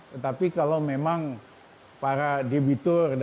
tetapi kalau memang para debitur dan pemerintah